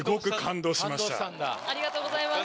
ありがとうございます。